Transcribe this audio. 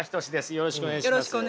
よろしくお願いします。